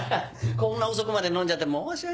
こんな遅くまで飲んじゃって申し訳ない。